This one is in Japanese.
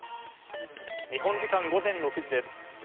日本時間午前６時です。